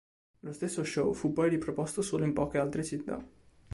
Lo stesso show fu poi riproposto solo in poche altre città.